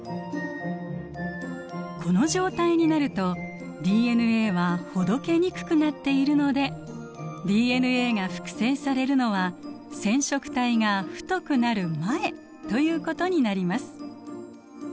この状態になるとＤＮＡはほどけにくくなっているのでＤＮＡが複製されるのは染色体が太くなる前ということになります。